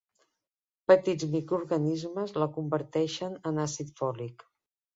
Petits microorganismes la converteixen en àcid fòlic.